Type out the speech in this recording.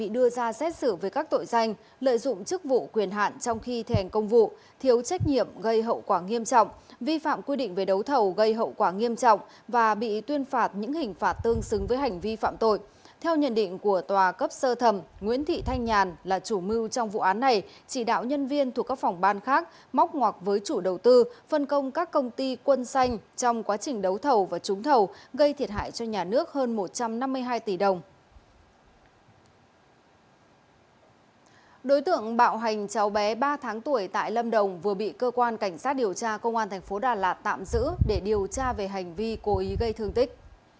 đối tượng bạo hành cháu bé ba tháng tuổi tại lâm đồng vừa bị cơ quan cảnh sát điều tra công an tp đà lạt tạm giữ để điều tra về hành vi cố ý gây thương tích